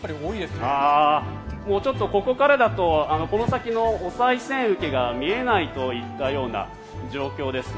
ちょっとここからだとこの先のおさい銭受けが見えないといったような状況ですね。